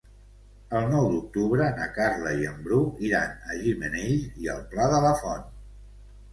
El nou d'octubre na Carla i en Bru iran a Gimenells i el Pla de la Font.